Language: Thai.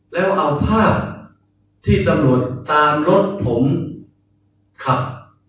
แล้วเอาภาพที่ตำรวจตามรถผมขับ